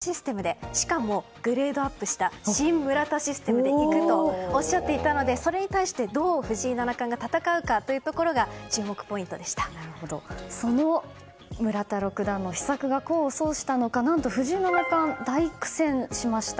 竹俣さん、今回の対局村田六段は村田システムという独自の戦法を編み出した方で今回も、村田システムでしかもグレードアップした新村田システムでいくとおっしゃっていたのでそれに対して、どう藤井七冠が戦うかというところがその村田六段の秘策が功を奏したのか何と藤井七冠、大苦戦しました。